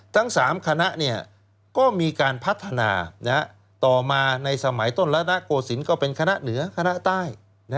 ทั้ง๓คณะก็มีการพัฒนาต่อมาในสมัยต้นระนโกศิลป์ก็เป็นคณะเหนือคณะใต้